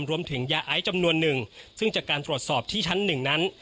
รวมถึงยาไอซ์จำนวนหนึ่งซึ่งจากการตรวจสอบที่ชั้นหนึ่งนั้น